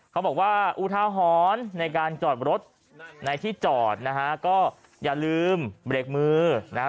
เขาบอกว่าอุทาหรณ์ในการจอดรถในที่จอดนะฮะก็อย่าลืมเบรกมือนะฮะ